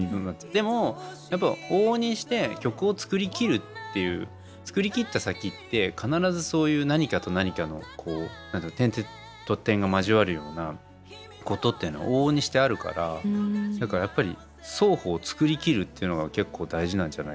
でもやっぱ往々にして曲を作りきるっていう作りきった先って必ずそういう何かと何かの点と点が交わるようなことっていうのは往々にしてあるからだからやっぱり双方作りきるってのが結構大事なんじゃないかなっていう。